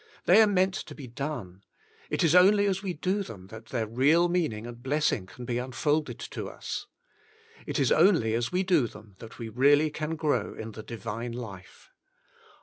They are meant To Be Done; it is only as we do them that their real meaning and blessing can be unfolded to us. It is only as we do them, that we really can grow in the Divine life.